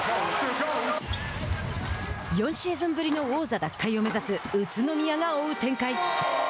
４シーズンぶりの王座奪回を目指す宇都宮が追う展開。